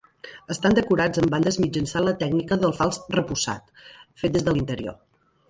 Estan decorats amb bandes mitjançant la tècnica del fals repussat, fet des de l'interior.